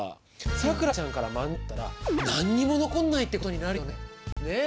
さくらちゃんからまんじゅう取ったら何にも残んないってことになるよねえ。